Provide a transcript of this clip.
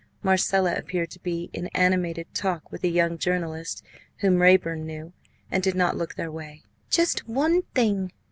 Marcella appeared to be in animated talk with a young journalist whom Raeburn knew, and did not look their way. "Just one thing!"